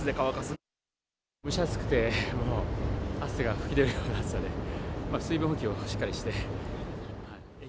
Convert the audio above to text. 蒸し暑くて、もう汗が噴き出るような暑さで、水分補給をしっかりして。